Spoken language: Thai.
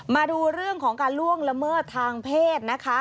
มาดูเรื่องของการล่วงละเมิดทางเพศนะคะ